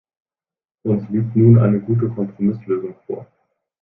Uns liegt nun eine gute Kompromisslösung vor.